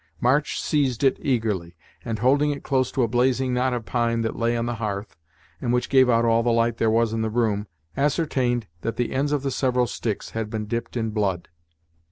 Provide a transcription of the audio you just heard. March seized it eagerly, and holding it close to a blazing knot of pine that lay on the hearth, and which gave out all the light there was in the room, ascertained that the ends of the several sticks had been dipped in blood.